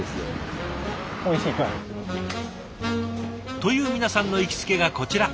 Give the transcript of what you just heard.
という皆さんの行きつけがこちら。